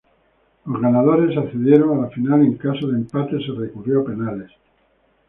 Los ganadores accedieron a la Final, en caso de empates se recurrió a penales.